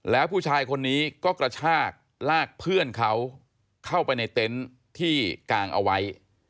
แล้วผู้ชายคนนี้ก็กระชากลากเพื่อนเขาเข้าไปในเต็นต์ที่กางเอาไว้